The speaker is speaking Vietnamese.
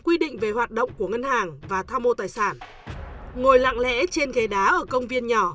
quy định về hoạt động của ngân hàng và tham mô tài sản ngồi lặng lẽ trên ghế đá ở công viên nhỏ